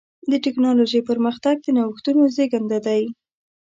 د ټکنالوجۍ پرمختګ د نوښتونو زېږنده دی.